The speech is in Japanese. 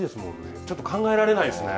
ちょっと考えられないですね。